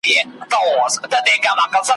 شاوخوا پر طبیبانو ګرځېدله `